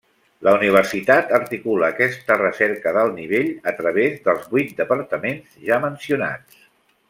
La Universitat articula aquesta recerca d’alt nivell a través dels vuit departaments ja mencionats.